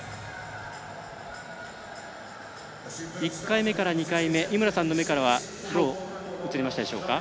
１回目から２回目井村さんの目からはどう映りましたでしょうか？